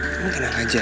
kamu tenang aja